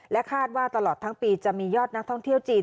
คาดว่าตลอดทั้งปีจะมียอดนักท่องเที่ยวจีน